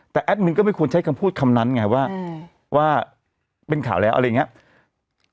แต่แอดมินก็ไม่ควรใช้คำพูดคำนั้นไงว่าว่าเป็นข่าวแล้วอะไรอย่างนี้